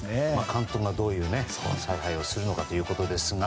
監督がどういう采配をするかということですが。